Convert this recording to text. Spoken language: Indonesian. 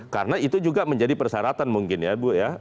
karena itu juga menjadi persyaratan mungkin ya bu ya